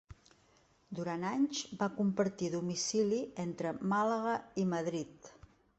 Durant anys va compartir domicili entre Màlaga i Madrid.